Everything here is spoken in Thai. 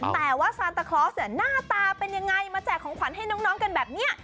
แต่ว่าซานตาคลอสหน้าตาเป็นยังไงมาแจกของขวัญให้น้องกันแบบนี้